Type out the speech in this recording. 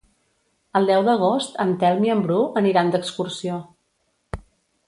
El deu d'agost en Telm i en Bru aniran d'excursió.